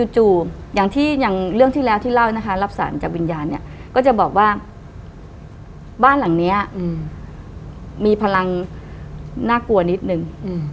อย่างที่อย่างเรื่องที่แล้วที่เล่านะคะรับสารจากวิญญาณเนี่ยก็จะบอกว่าบ้านหลังนี้มีพลังน่ากลัวนิดนึง